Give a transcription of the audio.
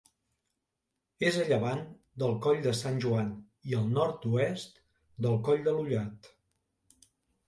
És a llevant del Coll de Sant Joan i al nord-oest del Coll de l'Ullat.